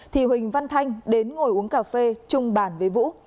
thì huỳnh văn thanh đến ngồi uống cà phê chung bản với vũ